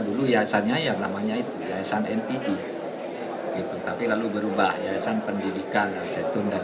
dulu yayasannya yang namanya itu yayasan nid gitu tapi lalu berubah yayasan pendidikan al zaitun dan